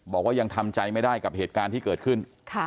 บอกว่ายังทำใจไม่ได้กับเหตุการณ์ที่เกิดขึ้น